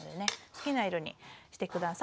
好きな色にして下さい。